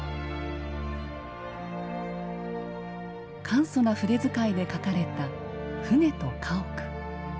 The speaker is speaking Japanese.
簡素な筆づかいで描かれた舟と家屋。